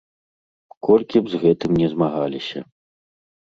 Колькі б з гэтым ні змагаліся.